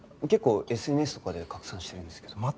結構ＳＮＳとかで拡散してるんですけど。